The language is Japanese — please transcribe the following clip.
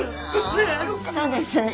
そうですね。